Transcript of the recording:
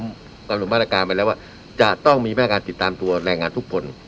การสำนวนมาตรการไว้แล้ววะจะต้องมีแมกการติดตามตัวแรงงานทุกคน